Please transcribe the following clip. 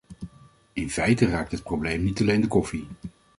In feite raakt het probleem niet alleen de koffie.